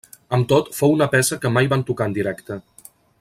Amb tot, fou una peça que mai van tocar en directe.